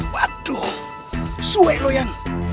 waduh suek lo yang